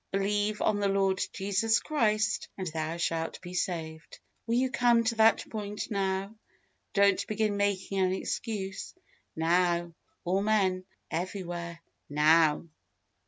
"Believe on the Lord Jesus Christ, and thou shalt be saved." Will you come to that point now? Don't begin making an excuse. Now! all men! everywhere! NOW!